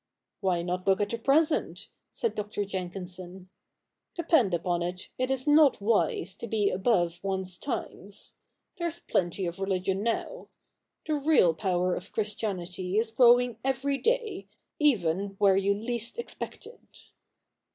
' Why not look at the present ?' said Dr. Jenkinson. ' Depend upon it, it is not wise to be above one's times. There's plenty of religion now. The real power of Christianity is growing every day, even where you least expect it.'